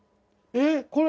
えっこれ。